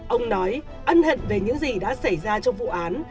ông nói ân hận về những gì đã xảy ra trong vụ án